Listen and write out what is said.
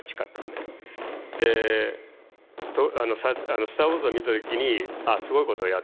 で「スター・ウォーズ」を見た時にああすごいことをやってるなと。